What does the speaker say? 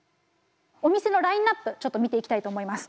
お店のラインナップちょっと見ていきたいと思います。